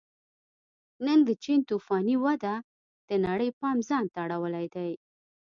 نن د چین توفاني وده د نړۍ پام ځان ته اړولی دی